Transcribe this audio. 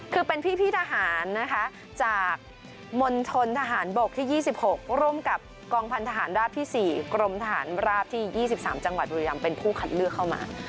คือเป็นพี่ทหารนะคะจากมณฑนทหารบกที่๒๖ร่วมกับกองพันธหารราบที่๔กรมทหารราบที่๒๓จังหวัดบุรีรำเป็นผู้คัดเลือกเข้ามา